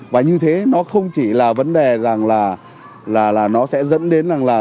và như thế nó không chỉ là vấn đề rằng là nó sẽ dẫn đến rằng là